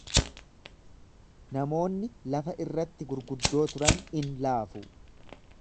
Namoonni lafa irratti gurguddoo turan in laafu.